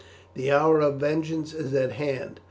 The hour of vengeance is at hand.